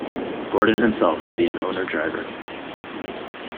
Gordon himself would be an owner-driver.